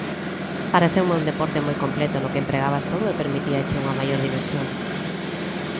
Pareceume un deporte moi completo no que empregabas todo e permitíache unha maior diversión.